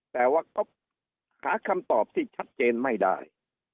แต่ว่าก็หาคำตอบที่ชัดเจนไม่ได้